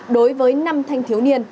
đối với năm thanh thiếu niên